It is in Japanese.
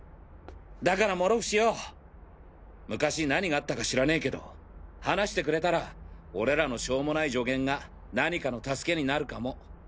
だから諸伏よぉ昔何があったか知らねぇけど話してくれたら俺らのしょもない助言が何かの助けになるかも。